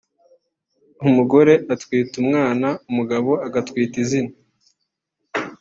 Umugore atwita umwana umugabo agatwita izina